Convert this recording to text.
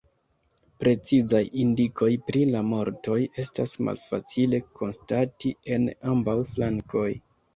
Precizaj indikoj pri la mortoj estas malfacile konstati en ambaŭ flankoj.